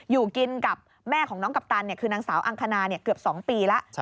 อยู่กินกับแม่ของน้องกัปตันคือนางสาวอังคณาเกือบ๒ปีแล้ว